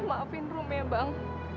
maafin rum ya bang